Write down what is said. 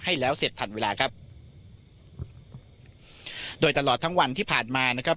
ให้แล้วเสร็จทันเวลาครับโดยตลอดทั้งวันที่ผ่านมานะครับ